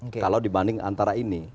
kalau dibanding antara ini